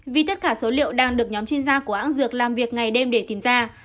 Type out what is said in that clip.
vì tất cả số liệu đang được nhóm chuyên gia của hãng dược làm việc ngày đêm để tìm ra